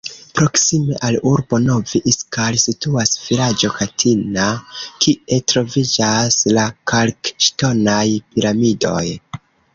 Proksime al urbo Novi Iskar situas vilaĝo Katina, kie troviĝas la kalkŝtonaj piramidoj.